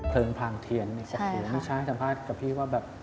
เพลิงพลางเทียนกับฝีวนิชาสัมภาษณ์กับพี่ว่าแบบ